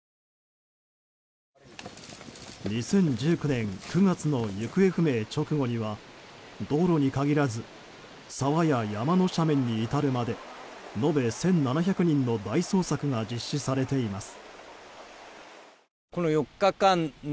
２０１９年９月の行方不明直後には道路に限らず沢や山の斜面に至るまで延べ１７００人の大捜索が実施されています。